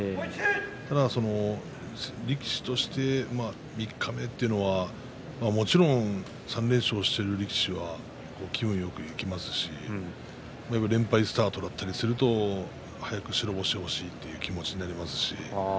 ただ力士として三日目というのはもちろん３連勝している力士は気分よくいきますし連敗スタートだったりすると早く白星が欲しいという気持ちになります。